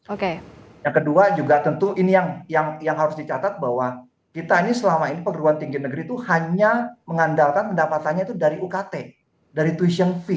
oke yang kedua juga tentu ini yang harus dicatat bahwa kita ini selama ini perguruan tinggi negeri itu hanya mengandalkan pendapatannya itu dari ukt dari twishion fee